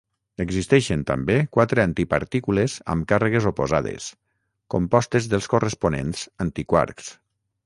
Existeixen també quatre antipartícules amb càrregues oposades, compostes dels corresponents antiquarks.